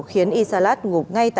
khiến y salat ngục ngay